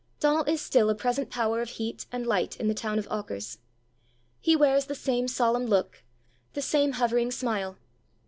Donal is still a present power of heat and light in the town of Auchars. He wears the same solemn look, the same hovering smile.